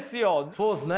そうっすね。